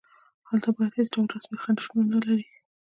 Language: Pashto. هلته باید هېڅ ډول رسمي خنډ شتون ونلري.